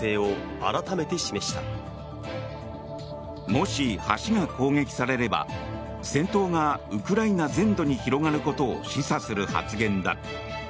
もし、橋が攻撃されれば戦闘がウクライナ全土に広がることを示唆する発言だ。